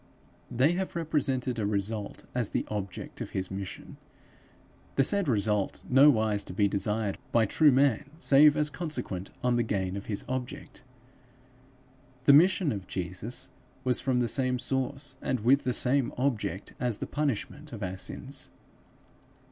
They have represented a result as the object of his mission the said result nowise to be desired by true man save as consequent on the gain of his object. The mission of Jesus was from the same source and with the same object as the punishment of our sins.